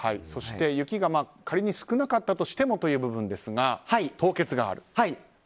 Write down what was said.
そして、雪が仮に少なかったとしてもという部分ですが凍結があると。